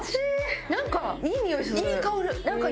何かいい香り。